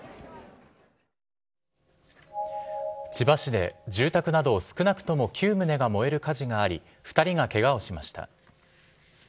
千葉市で住宅など少なくとも９棟が燃える火事があり、２人がけがをしました。